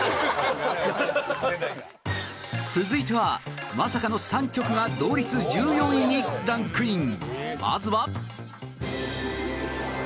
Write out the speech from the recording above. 続いては、まさかの３曲が同率１４位にランクイン